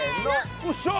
よっしゃ！